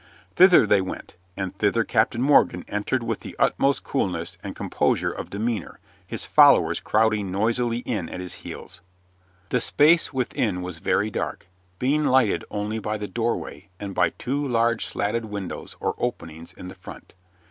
Thither they went, and thither Captain Morgan entered with the utmost coolness and composure of demeanor, his followers crowding noisily in at his heels. The space within was very dark, being lighted only by the doorway and by two large slatted windows or openings in the front.